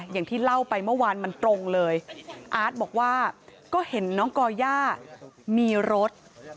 อย่างที่เล่าไปเมื่อวานมันตรงเลยอาร์ตบอกว่าก็เห็นน้องก่อย่ามีรถ